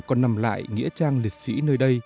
còn nằm lại nghĩa trang liệt sĩ nơi đây